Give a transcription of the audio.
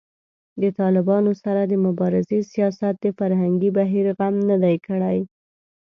د طالبانو سره د مبارزې سیاست د فرهنګي بهیر غم نه دی کړی